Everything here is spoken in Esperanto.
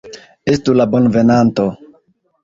Estu la bonvenanto!